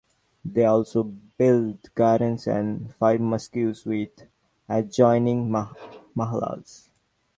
They also built gardens and five mosques with adjoining mahalas.